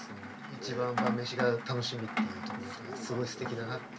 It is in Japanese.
一番晩飯が楽しみっていうところとかすごいすてきだなって。